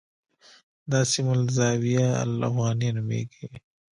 دا سیمه الزاویة الافغانیه نومېږي.